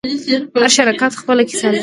هر شرکت خپله کیسه لري.